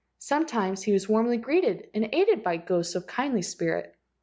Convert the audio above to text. Sometimes he was warmly greeted and aided by ghosts of kindly spirit.